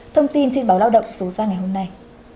thông tin trên báo lao động số ra ngày hôm nay